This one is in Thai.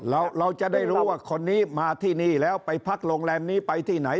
เราจะได้รู้ว่าคนนี้มาที่นี่แล้วไปพักโรงแรมนี้ไปที่ไหน